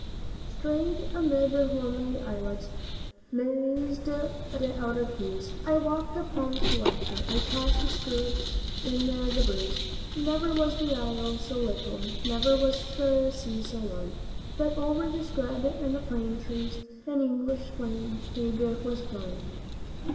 'Strayed amid lonely islets, mazed amid outer keys, I waked the palms to laughter I tossed the scud in the breeze Never was isle so little, never was sea so lone, But over the scud and the palm trees an English flag was flown.